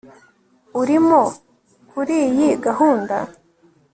urimo kuriyi gahunda